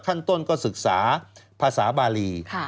ขั้นต้นก็ศึกษาภาษาบาลี